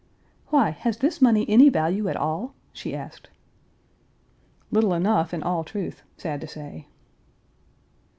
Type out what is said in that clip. "Why, has this money any value at all?" she asked. Little enough in all truth, sad to say.